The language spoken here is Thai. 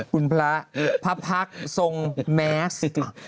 คุณพระพระพักษมณ์ทรงแมส